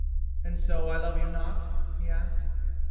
"And so I love you not?" he asked.